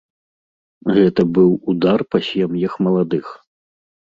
Гэта быў удар па сем'ях маладых.